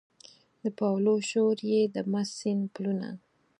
د پاولو شور یې د مست سیند پلونه